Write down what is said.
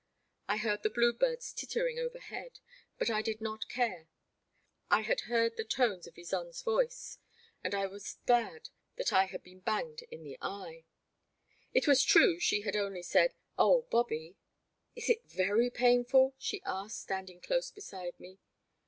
I heard the blue birds tittering over head, but I did not care ; I had heard the tones of Ysonde' s voice, and I was glad that I had been banged in the The Black Water. 135 eye. It was true she had only said, 0h, Bobby!'' Is it very painful?'* she asked, standing close beside me.